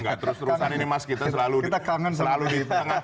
kita kangen selalu di tengah tengah ini